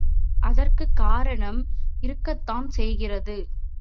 அதற்கும் காரணம் இருக்கத்தான் செய்கிறது.